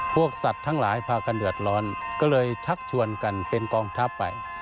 พวกสัตว์ทั้งหลายพากันเดือดร้อนก็เลยชักชวนกันเป็นกองทัพไป